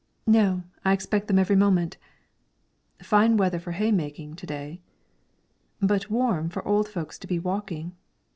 "No; I expect them every moment." "Fine weather for haymaking, to day." "But warm for old folks to be walking."